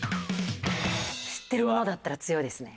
知ってるワードやったら強いですね。